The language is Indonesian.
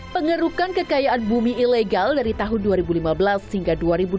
pengerukan kekayaan bumi ilegal dari tahun dua ribu lima belas hingga dua ribu dua puluh